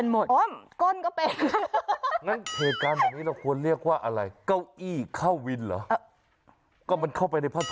ไม่ใช่คือภาพถูมรถนัก